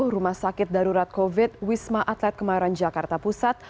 rumah sakit darurat covid wisma atlet kemayoran jakarta pusat